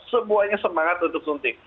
semuanya semangat untuk suntik